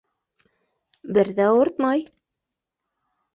Бер ҙә ауыртмай.